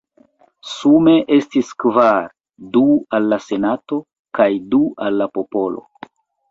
Sume estis kvar: du al la senato, kaj du al la popolo.